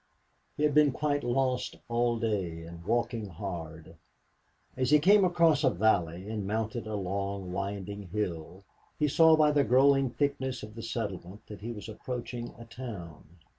He had been quite lost all day and walking hard. As he came across a valley and mounted a long winding hill, he saw by the growing thickness of the settlement that he was approaching a town.